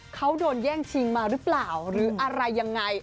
เขาโดนแย่งชิงมาหรือเปล่าหรืออะไรยังไง